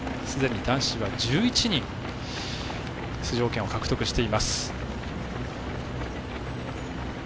すでに男子は１１人、出場権を獲得しています。